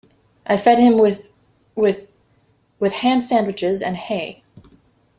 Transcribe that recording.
I fed him with—with—with Ham-sandwiches and Hay.